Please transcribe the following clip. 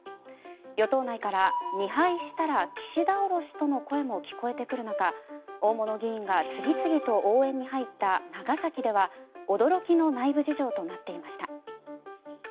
与党内から、２敗したら岸田降ろしとの声も聞こえてくる中大物議員が次々と応援に入った長崎では驚きの内部事情となっていました。